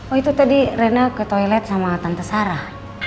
oh itu tadi rena ke toilet sama tante sarah